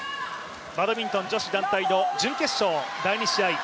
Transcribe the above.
バドミントン女子団体の準決勝第２試合